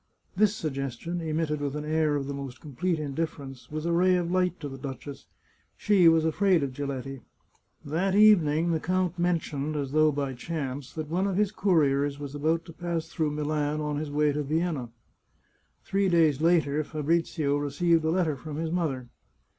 This suggestion, emitted with an air of the most com plete indifference, was a ray of light to the duchess; she was afraid of Giletti. That evening the count mentioned, as though by chance, that one of his couriers was about to pass through Milan on his way to Vienna. Three days later Fabrizio received a letter from his mother.